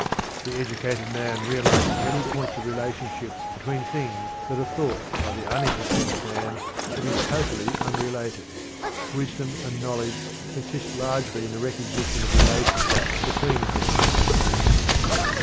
The educated man realizes many points of relationship between things that are thought by the uneducated man to be totally unrelated. Wisdom and knowledge consist largely in the recognition of relations between things.